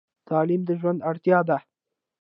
تعلیم د ژوند اړتیا ده.